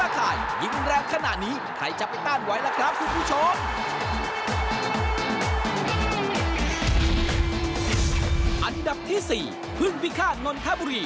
ขอบคุณผู้ชมกันครับ